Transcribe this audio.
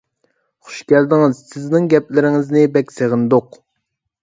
خۇش كەلدىڭىز! سىزنىڭ گەپلىرىڭىزنى بەك سېغىندۇق!